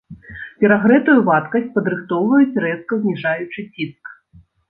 Перагрэтую вадкасць падрыхтоўваюць рэзка зніжаючы ціск.